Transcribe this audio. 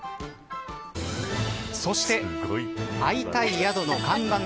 そして、会いたい宿の看板猫